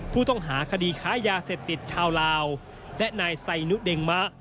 ผู้ต้องหาคดีค้ายาเสพติดชาวลาวและนายไซนุเดงมะ